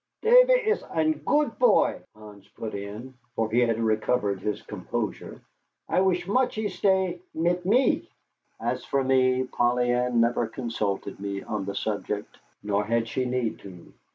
"Tavy is ein gut poy," Hans put in, for he had recovered his composure. "I wish much he stay mit me." As for me, Polly Ann never consulted me on the subject nor had she need to.